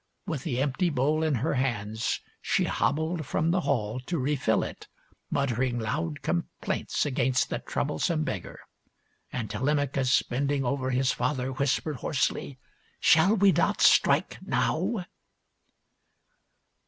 With the empty bowl in her hands, she hobbled from the hall to refill it, muttering loud complaints against the troublesome beggar. And Telemachus, bending over his father, whispered hoarsely, " Shall we not strike now